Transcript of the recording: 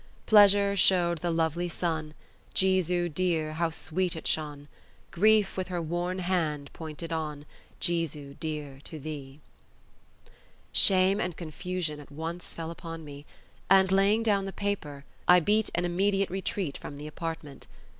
Pleasure showed the lovely sun; Jesu dear, how sweet it shone! Grief with her worn hand pointed on, Jesu dear, to thee! Shame and confusion at once fell on me; and, laying down the paper, I beat an immediate retreat from the apartment.